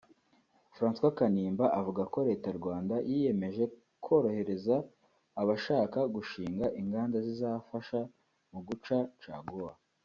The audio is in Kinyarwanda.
François Kanimba avuga ko leta Rwanda yiyemeje korohereza abashaka gushinga inganda zizafasha mu guca caguwa